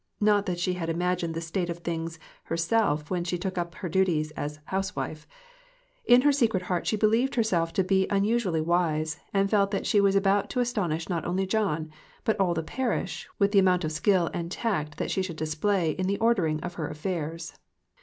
Not that she had imagined this state of things herself when she took upon her the duties of a housewife. 1 6 MIXED THINGS. In her secret heart she believed herself to be unusually wise, and felt that she was about to astonish not only John, but all the parish, with the amount of skill and tact that she should dis play in the ordering of her affairs.